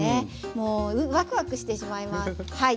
もうワクワクしてしまいますはい。